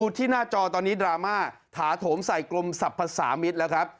ที่หน้าจอตอนนี้ดราม่าถาโถมใส่กรมสรรพสามิตรแล้วครับ